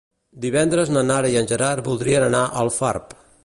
Divendres na Nara i en Gerard voldrien anar a Alfarb.